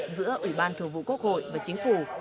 giữa ủy ban thường vụ quốc hội và chính phủ